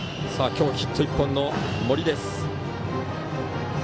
今日ヒット１本の森です。